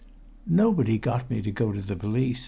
"Nobody got me to go to the police!